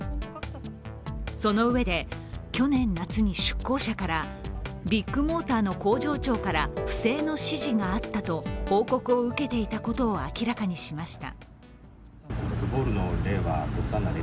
そのうえで、去年夏に出向者からビッグモーターの工場長から不正の指示があったと報告を受けていたことを明らかにしました。